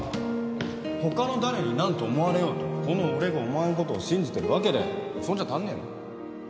他の誰に何と思われようとこの俺がお前のことを信じてるわけでそんじゃ足んねえの？